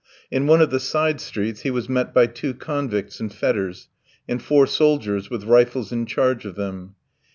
In one of the side streets he was met by two convicts in fetters and four soldiers with rifles in charge of them.